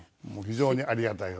非常にありがたい。